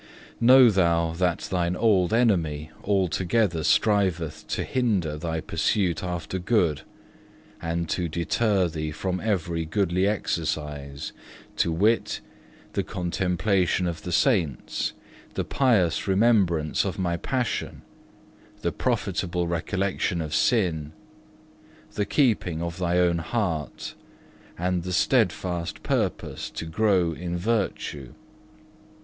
7. "Know thou that thine old enemy altogether striveth to hinder thy pursuit after good, and to deter thee from every godly exercise, to wit, the contemplation of the Saints, the pious remembrance of My passion, the profitable recollection of sin, the keeping of thy own heart, and the steadfast purpose to grow in virtue.